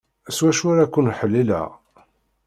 S wacu ara ken-ḥelleleɣ?